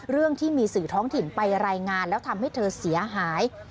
เรื่องที่มีสื่อท้องถิ่นไปรายงานแล้วทำให้เธอเสียหาย